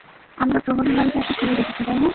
আমরা প্রহরীর বাড়িতে একটা ছবি দেখেছি, তাই না?